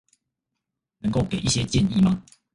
能夠給一些建議嗎